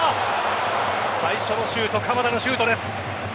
最初のシュート鎌田のシュートです。